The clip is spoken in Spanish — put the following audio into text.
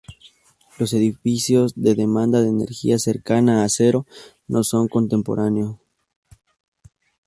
Los edificios de demanda de energía cercana a cero no son contemporáneos.